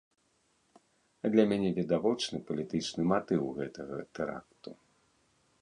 Для мяне відавочны палітычны матыў гэтага тэракту.